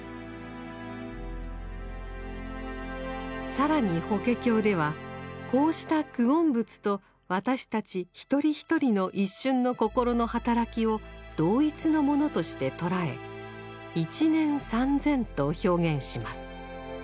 更に法華経ではこうした久遠仏と私たち一人一人の一瞬の心の働きを同一のものとして捉え「一念三千」と表現します。